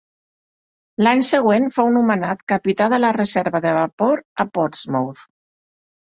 L'any següent fou nomenat capità de la reserva de vapor a Portsmouth.